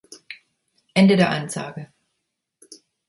Ende der Ansage.